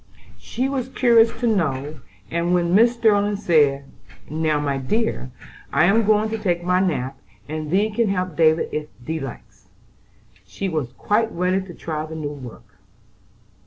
She was curious to know, and when Mrs. Sterling said: "Now, my dear, I am going to take my nap, and thee can help David if thee likes," she was quite ready to try the new work.